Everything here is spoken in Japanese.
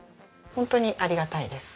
ホントにありがたいです。